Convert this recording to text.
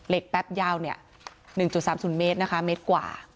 เหล็กแป๊บยาว๑๓๐เมตรนะคะเมตรกว่า